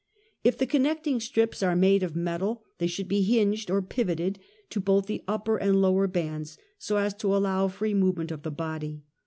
"If the connecting strips are made of metal, they should be hinged or pivoted to both the upper and lower bands, so as to allow free movement of the body.